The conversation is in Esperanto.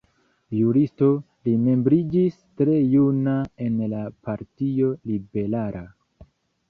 Juristo, li membriĝis tre juna en la Partio Liberala.